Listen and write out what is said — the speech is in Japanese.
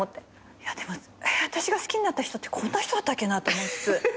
いやでも私が好きになった人ってこんな人だったっけなって思いつつ。